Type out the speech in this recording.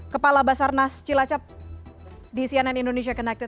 kepala basar nas cilacap di cnn indonesia connected